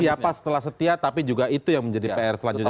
siapa setelah setia tapi juga itu yang menjadi pr selanjutnya